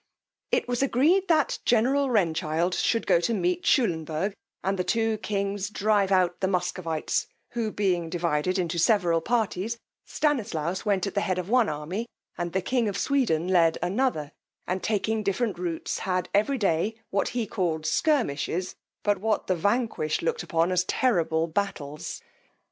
It was agreed that general Renchild should go to meet Shullenburgh, and the two kings drive out the Muscovites; who being divided into several parties, Stanislaus went at the head of one army, and the king of Sweden led another; and taking different routs, had every day what he called skirmishes, but what the vanquished looked upon as terrible battles.